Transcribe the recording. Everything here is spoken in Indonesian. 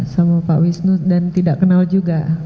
sama pak wisnu dan tidak kenal juga